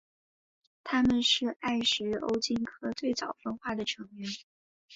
它们是艾什欧鲸科最早分化的成员。